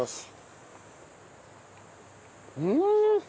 うん！